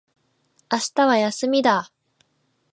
明日は休みだ